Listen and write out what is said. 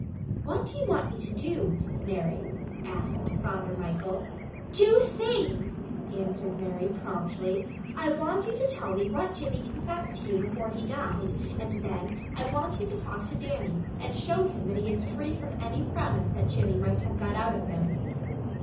"What do you want me to do, Mary?" asked Father Michael. "Two things," answered Mary promptly. "I want you to tell me what Jimmy confissed to you before he died, and then I want you to talk to Dannie and show him that he is free from any promise that Jimmy might have got out of him.